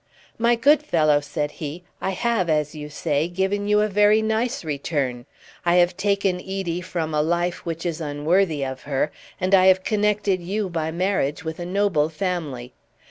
"My good fellow," said he, "I have, as you say, given you a very nice return. I have taken Edie from a life which is unworthy of her, and I have connected you by marriage with a noble family.